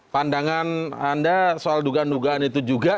pandangan anda soal dugaan dugaan itu juga